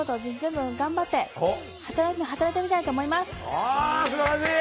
あすばらしい！